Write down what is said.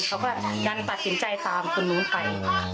เขาก็ยังตัดสินใจตามคนนู้นไป